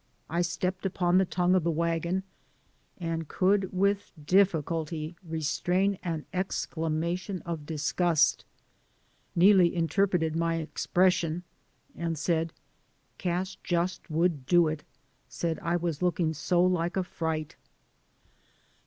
I stepped upon the tongue of the wagon and could, with difficulty, restrain an exclamation of disgust. Neelie inter preted my expression and said, "Cash just would do it; said I was looking so like a fright."